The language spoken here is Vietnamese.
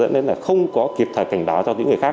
dẫn nên là không có kịp thời cảnh báo cho những người khác